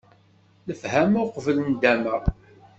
Lefhama uqbel nndama!